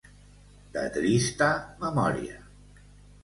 De trista memòria.